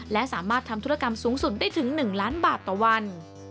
และสามารถทำธุรกรรมสูงสุดได้ถึง๑ล้านบาทต่อวัน